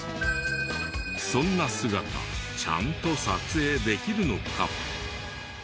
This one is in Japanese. そんな姿ちゃんと撮影できるのか？